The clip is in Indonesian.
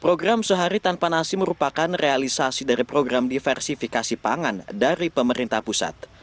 program sehari tanpa nasi merupakan realisasi dari program diversifikasi pangan dari pemerintah pusat